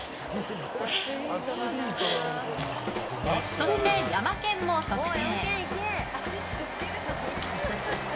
そして、ヤマケンも測定。